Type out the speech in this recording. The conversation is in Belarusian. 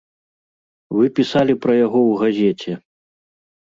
Вы пісалі пра яго ў газеце.